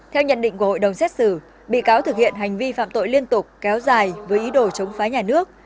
theo nhận định của hội đồng xét xử bị cáo thực hiện hành vi phạm tội liên tục kéo dài với ý đồ chống phá nhà nước